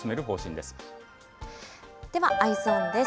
では、Ｅｙｅｓｏｎです。